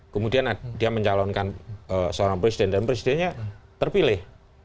kemudian dia mencalonkan seorang presiden dan presidennya terpilih